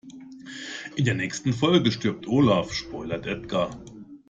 In der nächsten Folge stirbt Olaf, spoilert Edgar.